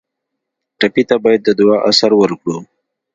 ټپي ته باید د دعا اثر ورکړو.